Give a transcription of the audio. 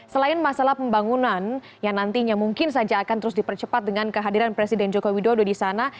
selain masalah pembangunan yang nantinya mungkin saja akan terus dipercepat dengan kehadiran presiden joko widodo di sana